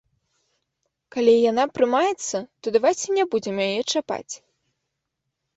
Калі яна прымаецца, то давайце не будзем яе чапаць.